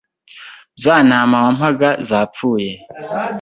za ntama wampaga za pfuye